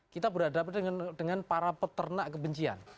kita berhadapan dengan para peternak kebencian